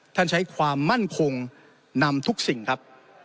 ใช้ความมั่นคงนำทุกสิ่งครับ